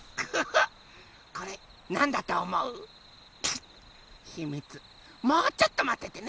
もうちょっとまっててね。